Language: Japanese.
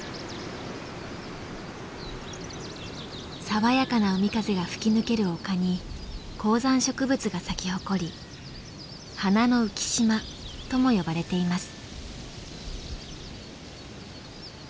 爽やかな海風が吹き抜ける丘に高山植物が咲き誇り花の浮島とも呼ばれています。